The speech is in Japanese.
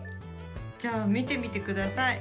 じゃあみてみてください。